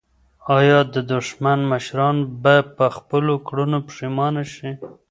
آیا د دښمن مشران به په خپلو کړنو پښېمانه شي؟